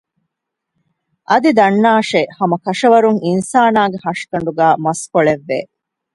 އަދި ދަންނާށޭ ހަމަކަށަވަރުން އިންސާނާގެ ހަށިގަނޑުގައި މަސްކޮޅެއް ވޭ